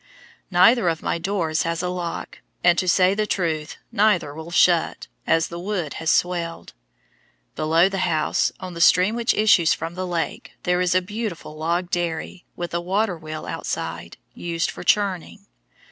Neither of my doors has a lock, and, to say the truth, neither will shut, as the wood has swelled. Below the house, on the stream which issues from the lake, there is a beautiful log dairy, with a water wheel outside, used for churning.